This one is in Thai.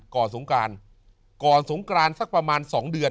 ก่อนสูงกรานสักประมาณ๒เดือน